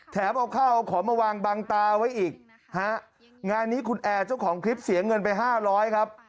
แถมเอาเข้าของมาวางบางตาไว้อีกงานนี้คุณแอร์ช่วยของคลิปเสียเงินไป๕๐๐ครับ